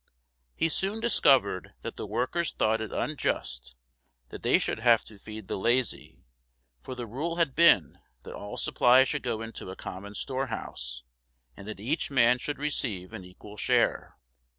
He soon discovered that the workers thought it unjust that they should have to feed the lazy, for the rule had been that all supplies should go into a common storehouse, and that each man should receive an equal share.